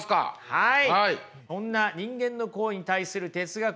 はい。